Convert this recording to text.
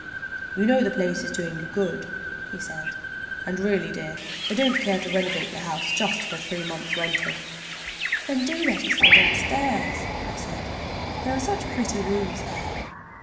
"You know the place is doing you good," he said, "and really, dear, I don't care to renovate the house just for a three months' rental." "Then do let us go downstairs," I said, "there are such pretty rooms there."